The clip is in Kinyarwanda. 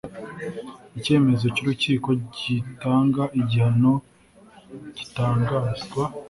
icyemezo cy urukiko gitanga igihano gitangazwa